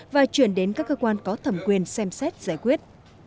và chuyển đến các cơ quan có thẩm quyền xem xét giải quyết